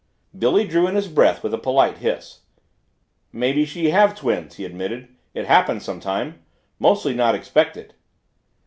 Billy drew in his breath with a polite hiss. "Maybe she have twins," he admitted. "It happen sometime. Mostly not expected."